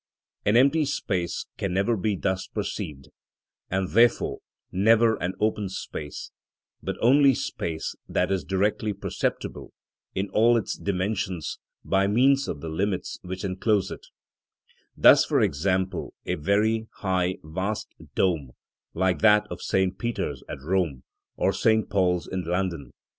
An empty space can never be thus perceived, and therefore never an open space, but only space that is directly perceptible in all its dimensions by means of the limits which enclose it; thus for example a very high, vast dome, like that of St. Peter's at Rome, or St. Paul's in London.